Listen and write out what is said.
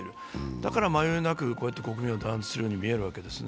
だから迷いなく国民を弾圧するように見えるわけですね。